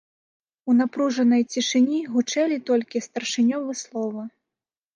У напружанай цішыні гучэлі толькі старшынёвы словы.